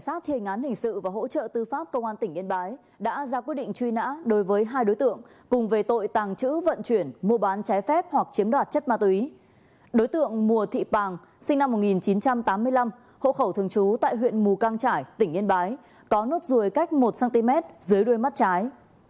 sinh năm một nghìn chín trăm tám mươi năm hộ khẩu thường trú tại huyện mù căng trải tỉnh yên bái có nốt ruồi cách một cm dưới đuôi mắt trái